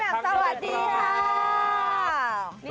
ที่แหม่มสวัสดีค่ะ